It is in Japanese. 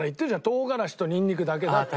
唐辛子とニンニクだけだって。